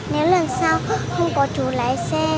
nếu lần sau không có chú lái xe